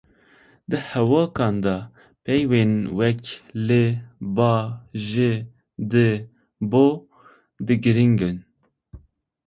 Di hevokan de peyvên wek li, ba, ji, di, bo di girîngin